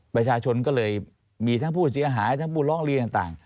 ประชาชนก็เลยมีทั้งผู้เสียหายทั้งผู้ร้องเรียนต่าง